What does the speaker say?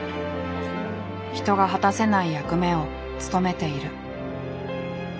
人が果たせない役目を務めている。